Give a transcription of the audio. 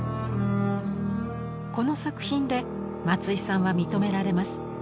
この作品で松井さんは認められます。